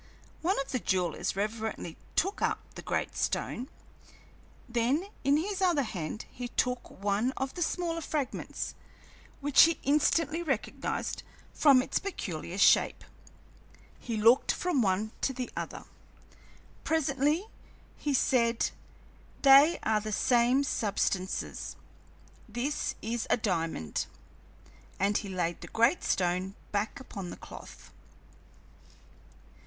One of the jewelers reverently took up the great stone; then in his other hand he took one of the smaller fragments, which he instantly recognized from its peculiar shape. He looked from one to the other; presently he said: "They are the same substances. This is a diamond." And he laid the great stone back upon the cloth.